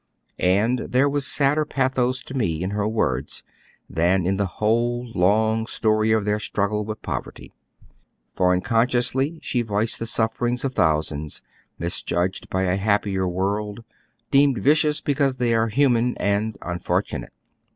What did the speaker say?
And there was sadder pathos to me in her words than in the whole long story of theii struggle with poverty ; for unconsciously she voiced the sufferings of thousands, misjudged by a happier world, deemed vi cious because they are human atid unfortunate.